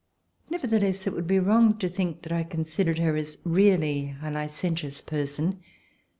Neverthe less, it would be wrong to think that I considered her as really a licentious person.